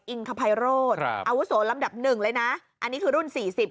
คภัยโรธครับอาวุโสลำดับหนึ่งเลยนะอันนี้คือรุ่นสี่สิบ